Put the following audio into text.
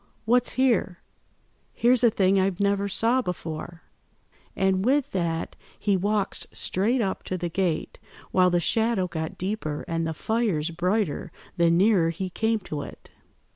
What's here? Here's a thing I never saw before,' and with that he walks straight up to the gate, while the shadow got deeper and the fires brighter the nearer he came to it.